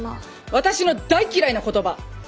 私の大嫌いな言葉。